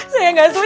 tidak ada apa apa